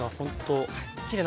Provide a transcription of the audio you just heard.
きれいに。